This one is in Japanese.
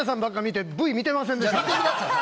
見てください！